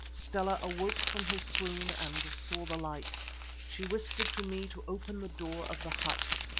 Stella awoke from her swoon and saw the light. She whispered to me to open the door of the hut.